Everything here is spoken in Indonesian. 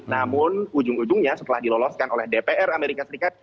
namun ujung ujungnya setelah diloloskan oleh dpr amerika serikat